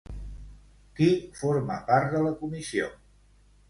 Qui forma part de la comissió?